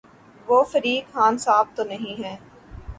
وہ فریق خان صاحب تو نہیں ہیں۔